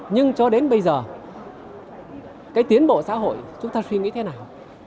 nhưng cho đến bây giờ cái tiến bộ xã hội chúng ta suy nghĩ thế nào